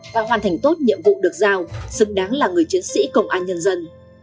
và hoàn thành tốt nhiệm vụ được giao xứng đáng là người chiến sĩ công an nhân dân